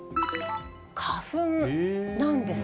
花粉なんです。